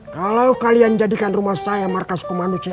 kalau kalian jadikan rumah saya markas komando cae